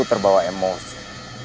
aku terbawa emosi